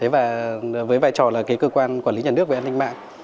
với vai trò là cơ quan quản lý nhận nước về an ninh mạng